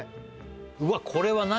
うわっこれは何？